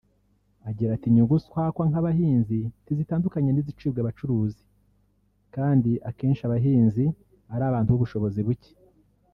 Agira ati “Inyungu twakwa nk’abahinzi ntizitandukanye n’izicibwa abacuruzi kandi akenshi abahinzi ari abantu b’ubushobozi buke